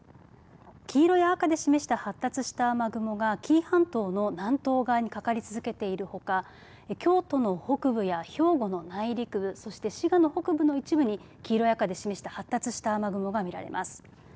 黄色や赤で示した発達した雨雲が紀伊半島の南東側にかかり続けているほか京都の北部や兵庫の内陸部そして滋賀の北部の一部に黄色や赤で示した発達した雨雲が見られます。